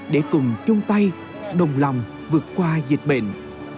để cùng chung tay đồng lòng vượt qua dịch bệnh